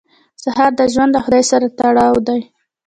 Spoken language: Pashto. سهار د ژوند له خدای سره تړاو دی.